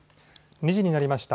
２時になりました。